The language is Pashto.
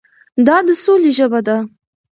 دا د سولې ژبه ده.